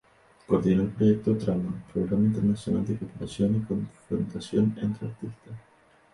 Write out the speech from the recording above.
Coordinó el Proyecto Trama, programa internacional de cooperación y confrontación entre artistas.